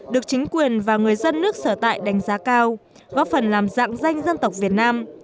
được chính quyền và người dân nước sở tại đánh giá cao góp phần làm dạng danh dân tộc việt nam